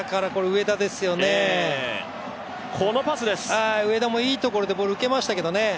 上田もいいところでボール受けましたけどね。